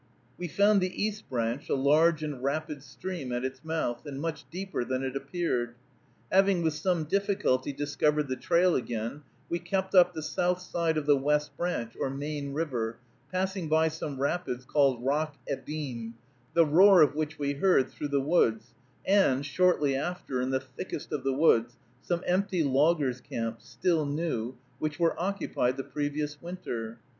We found the East Branch a large and rapid stream at its mouth and much deeper than it appeared. Having with some difficulty discovered the trail again, we kept up the south side of the West Branch, or main river, passing by some rapids called Rock Ebeeme, the roar of which we heard through the woods, and, shortly after, in the thickest of the wood, some empty loggers' camps, still new, which were occupied the previous winter.